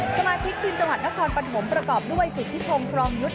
สมาชิกทีมจังหวัดนครปฐมประกอบด้วยสุธิพงศ์ครองยุทธ์